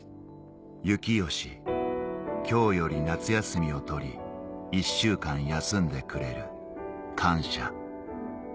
「幸よし今日より夏休みをとり一週間休んでくれる感謝‼」